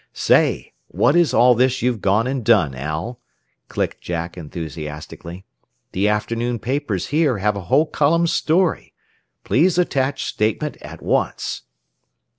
"Say, what is all this you've gone and done, Al?" clicked Jack enthusiastically. "The afternoon papers here have a whole column story! 'Please attach statement at once!'"